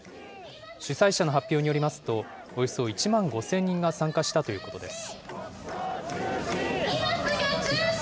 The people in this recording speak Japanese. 主催者の発表によりますと、およそ１万５０００人が参加したということです。